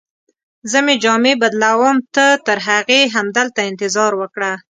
زه مې جامې بدلوم، ته ترهغې همدلته انتظار وکړه.